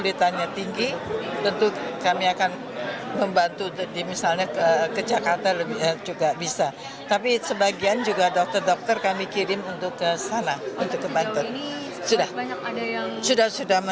bawaannya ini adanya penolong penyakit pasca